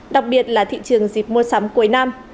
đặc biệt là thị trường dịp mua sắm cuối năm